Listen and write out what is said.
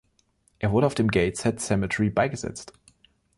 Er wurde auf dem Gateshead Cemetery beigesetzt.